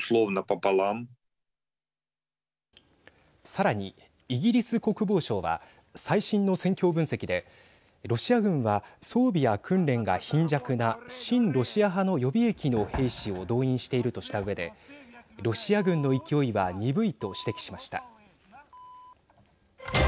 さらに、イギリス国防省は最新の戦況分析でロシア軍は、装備や訓練が貧弱な親ロシア派の予備役の兵士を動員しているとしたうえでロシア軍の勢いは鈍いと指摘しました。